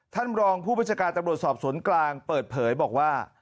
ท่านรองผู้บัญชาการตำรวจสอบสวนกลางเปิดเผยบอกว่า